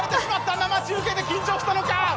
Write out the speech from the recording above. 生中継で緊張したのか。